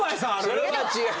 それは違うわ。